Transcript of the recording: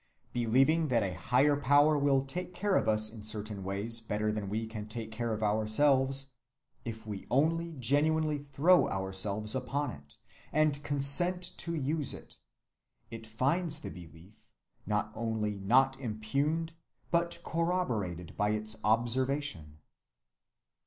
Believing that a higher power will take care of us in certain ways better than we can take care of ourselves, if we only genuinely throw ourselves upon it and consent to use it, it finds the belief, not only not impugned, but corroborated by its observation.